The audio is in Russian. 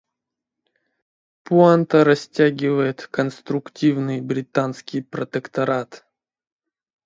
Пуанта растягивает конструктивный британский протекторат.